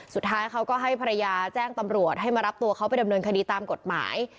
สุดท้ายเขาก็ให้ภรรยาแจ้งตำรวจให้มารับตัวเขาไปดำเนินคดีตามกฎหมาย